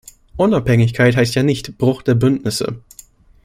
Unabhängigkeit heißt ja nicht Bruch der Bündnisse.